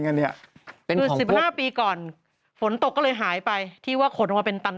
คือ๑๕ปีก่อนฝนตกก็เลยหายไปที่ว่าขนว่าเป็นตัน